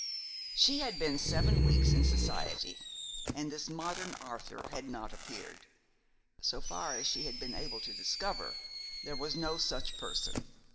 She had been seven weeks in society, and this modern Arthur had not appeared. So far as she had been able to discover, there was no such person.